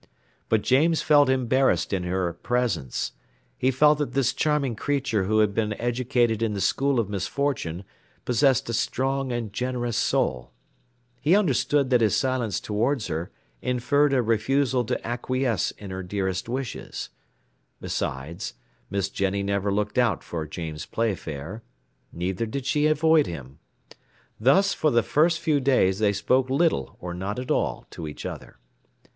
But James felt embarrassed in her presence; he felt that this charming creature who had been educated in the school of misfortune possessed a strong and generous soul; he understood that his silence towards her inferred a refusal to acquiesce in her dearest wishes; besides, Miss Jenny never looked out for James Playfair, neither did she avoid him. Thus for the first few days they spoke little or not at all to each other.